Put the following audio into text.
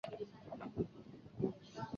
答案浮现在妳眼底